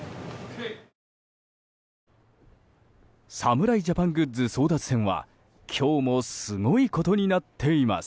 侍ジャパングッズ争奪戦は今日もすごいことになっています。